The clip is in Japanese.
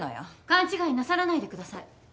勘違いなさらないでください。